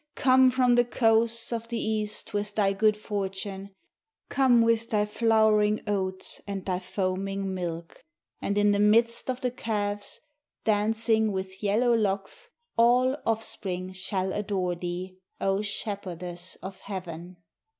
"Come from the coasts of the East with thy good fortune, Come with thy flowering oats and thy foaming milk; "And in the midst of the calves, dancing, with yellow locks, All offspring shall adore thee, O Shepherdess of heaven!"